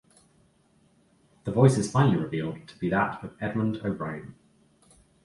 The voice is finally revealed to be that of Edmond O'Brien.